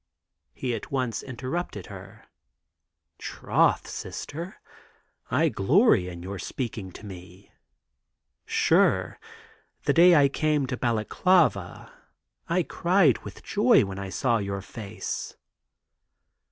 He at once interrupted her: "Troth, Sister, I glory in your speaking to me. Sure, the day I came to Balaklava I cried with joy when I saw your face."